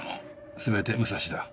全て武蔵だ。